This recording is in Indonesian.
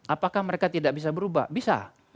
apakah mereka tidak bisa berubah bisa